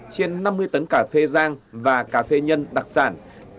trên năm mươi tấn cà phê giang và cà phê nhân đặc sản